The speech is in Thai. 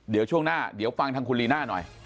เดี๋ยวช่วงหน้าเดี๋ยวฟังทางคุณลีน่าหน่อย